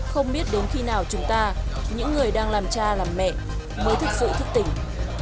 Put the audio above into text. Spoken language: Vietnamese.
không biết đến khi nào chúng ta những người đang làm cha làm mẹ mới thực sự thức tỉnh